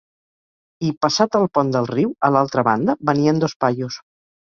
I, passat el pont del riu, a l’altra banda, venien dos paios.